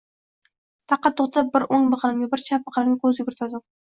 Taqqa to‘xtab, bir o‘ng biqinimga, bir chap biqinimga ko‘z yugurtirdim